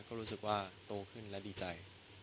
ก็รู้สึกว่าโตขึ้นและดีใจ